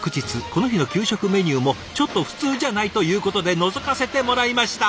この日の給食メニューもちょっと普通じゃないということでのぞかせてもらいました。